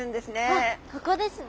あっここですね。